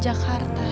aku akan mencari